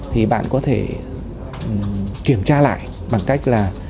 thì bạn có thể kiểm tra lại bằng cách là